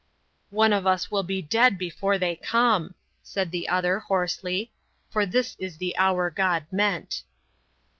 "One of us will be dead before they come," said the other, hoarsely, "for this is the hour God meant."